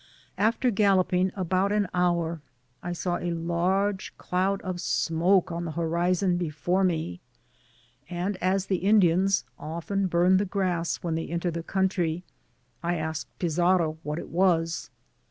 After galloping about an hour, I saw a large doud of smoke on the horizon before me ; and as the Indians often burn the grass when they enter the country^ I asked Pizarro what it was